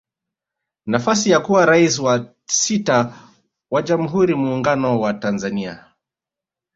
Nafasi ya kuwa Rais wa sita wa jamhuri ya Muungano wa Tanzania